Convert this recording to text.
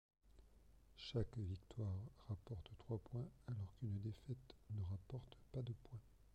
Chaque victoire rapporte trois points alors qu'une défaite ne rapporte pas de point.